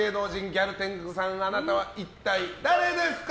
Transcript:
ギャル天狗さんあなたは一体誰ですか？